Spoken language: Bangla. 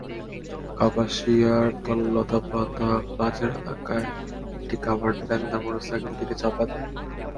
কাপাসিয়ার লতাপাতা বাজার এলাকায় একটি কাভার্ড ভ্যান তাঁর মোটরসাইকেলটিকে চাপা দেয়।